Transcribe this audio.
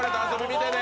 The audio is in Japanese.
見てね。